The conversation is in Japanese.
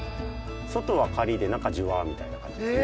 外はカリッで中ジュワーみたいな感じですね。